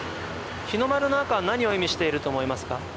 日の丸の赤は何を意味していると思いますか？